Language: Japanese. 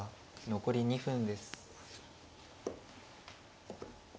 残り２分です。